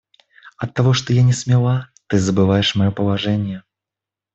Оттого что я не смела... ты забываешь мое положение...